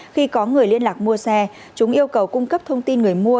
khi có người liên lạc mua xe chúng yêu cầu cung cấp thông tin người mua